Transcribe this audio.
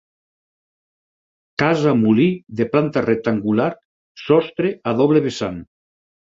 Casa molí de planta rectangular sostre a doble vessant.